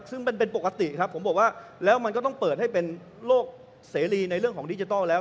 ซึ่งเป็นปกติครับผมบอกว่าแล้วมันก็ต้องเปิดให้เป็นโลกเสรีในเรื่องของดิจิทัลแล้ว